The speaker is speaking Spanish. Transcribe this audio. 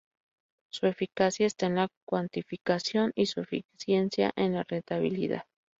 Su eficacia está en la cuantificación y su eficiencia en la rentabilidad.